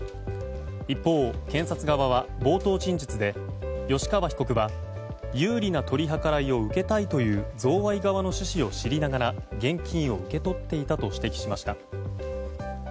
一方、検察側は冒頭陳述で吉川被告は有利な取り計らいを受けたいという贈賄側の趣旨を知りながら現金を受け取っていたと指摘しました。